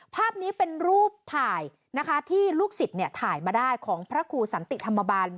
ภาพนี้เป็นรูปถ่ายนะคะที่ลูกศิษย์ถ่ายมาได้ของพระครูสันติธรรมบัน